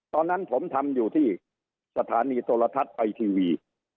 ตอนนั้นผมทำอยู่ที่สถานีโทรทัศน์ไอทีวี